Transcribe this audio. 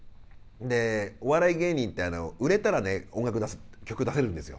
お笑い芸人って売れたら曲出せるんですよ。